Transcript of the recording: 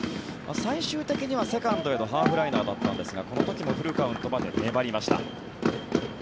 最終的にはセカンドへのハーフライナーだったんですがこの時もフルカウントまで粘りました。